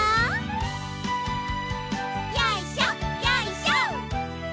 よいしょよいしょ。